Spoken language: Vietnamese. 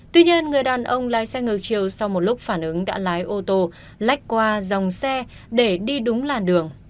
tuy nhiên người đàn ông lái xe ngược chiều sau một lúc phản ứng đã lái ô tô lách qua dòng xe để đi đúng làn đường